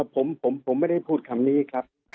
ผมไม่ได้พูดคำนี้ครับ